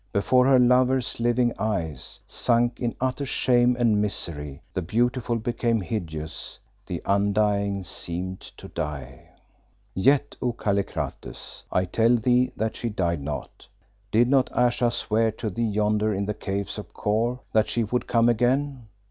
Before her lover's living eyes, sunk in utter shame and misery, the beautiful became hideous, the undying seemed to die. "Yet, O Kallikrates, I tell thee that she died not. Did not Ayesha swear to thee yonder in the Caves of Kôr that she would come again?